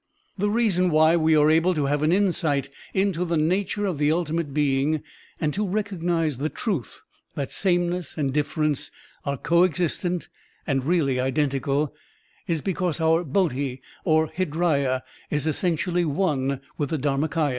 The reason why we are able to have an insight into the nature of the ultimate being and to recognize the truth that sameness and difference are co existent and really identical, is because our Bodhi or Hridaya is essentially one with the Dharmak5,ya.